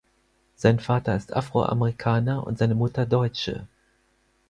Sein Vater ist Afroamerikaner und seine Mutter Deutsche.